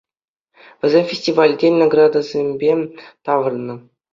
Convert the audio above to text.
Вӗсем фестивальтен наградӑсемпе таврӑннӑ.